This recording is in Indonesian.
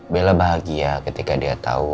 bella bahagia ketika dia tahu